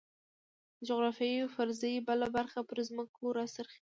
د جغرافیوي فرضیې بله برخه پر ځمکو راڅرخي.